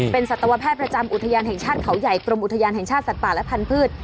เป็นสัตวแพทย์ประจำอุทยานแห่งชาติเขาใหญ่กรมอุทยานแห่งชาติสัตว์ป่าและพันธุ์